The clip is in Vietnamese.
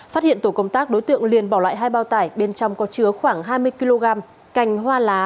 phát hiện tổ công tác đối tượng liền bỏ lại hai bao tải bên trong có chứa khoảng hai mươi kg cành hoa lá